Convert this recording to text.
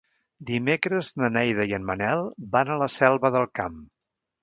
Dimecres na Neida i en Manel van a la Selva del Camp.